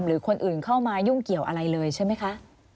หรือคนอื่นเข้ามายุ่งเกี่ยวอะไรเลยใช่ไหมคะ